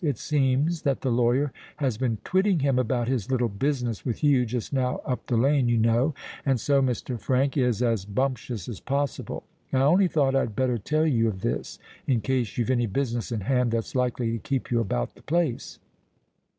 It seems that the lawyer has been twitting him about his little business with you just now up the lane, you know; and so Mr. Frank is as bumptious as possible. I only thought I'd better tell you of this—in case you've any business in hand that's likely to keep you about the place."